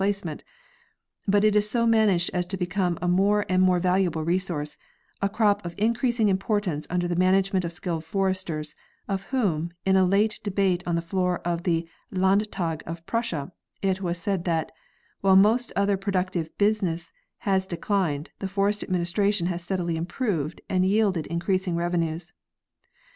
placement, but it is so managed as to become a more and more raluable resource, a crop of increasing importance, under the management of skilled foresters, of whom, in a late debate on the floor of the Landtag of Prussia, it was said that " While most other productive business has declined, the forest administration has steadily improved and yielded increasing revenues."